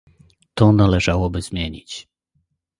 To należałoby zmienić